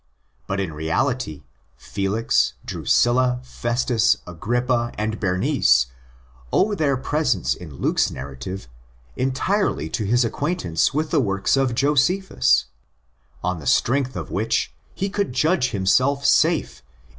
But in reality Felix, Drusilla, Festus, Agrippa, and Berenice owe their presence in Luke's narrative entirely to his acquaintance with the works of Josephus; on the strength of which he could judge himself safe in